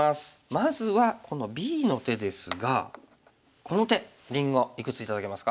まずはこのＢの手ですがこの手りんごいくつ頂けますか？